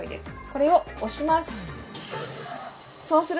これを押します！